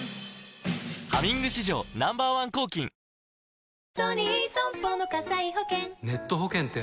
「ハミング」史上Ｎｏ．１抗菌あれこれ